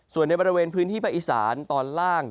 ส่วนในบริเวณพื้นที่ภาคอีสานตอนล่าง